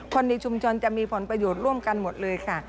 คนในชุมชนจะมีผลประโยชน์ร่วมกันหมดเลยค่ะ